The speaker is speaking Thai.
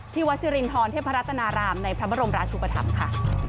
วัดสิรินทรเทพรัตนารามในพระบรมราชุปธรรมค่ะ